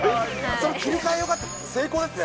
それ、切り替えよかったですね。